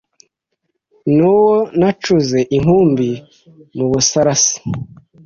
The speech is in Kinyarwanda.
N'uwo nacuze inkumbi mu Busarasi;